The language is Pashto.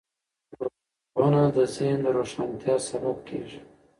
ټولنپوهنه د ذهن د روښانتیا سبب کیږي.